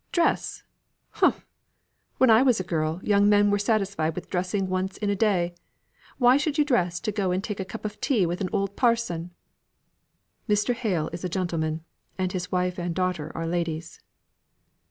"Dress! humph! When I was a girl, young men were satisfied with dressing once in a day. Why should you dress to go and take a cup of tea with an old parson?" "Mr. Hale is a gentleman, and his wife and daughter are ladies."